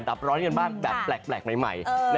ับร้อนกันบ้างแบบแปลกใหม่